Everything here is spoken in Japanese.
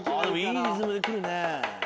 いいリズムで切るね。